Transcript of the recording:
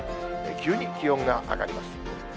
急に気温が上がります。